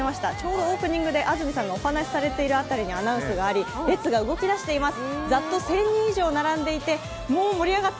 ちょうどオープニングで安住さんがお話しされているあたりでアナウンスがあり、列が動きだしています。